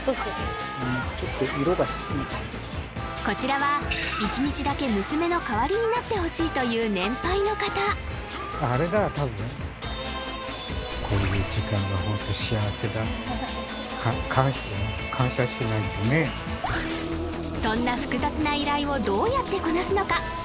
こちらは１日だけ娘の代わりになってほしいという年配の方あれだ多分感謝だね感謝しないとねそんな複雑な依頼をどうやってこなすのか？